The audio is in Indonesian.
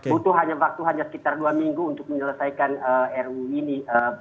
butuh hanya waktu hanya sekitar dua minggu untuk menyelesaikan ruu ini